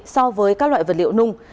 so với các loại vật liệu nung